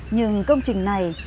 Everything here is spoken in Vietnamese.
nhưng công trình này